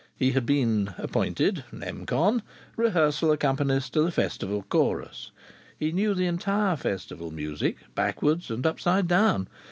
He had been appointed (nem. con.) rehearsal accompanist to the Festival Chorus. He knew the entire Festival music backwards and upside down.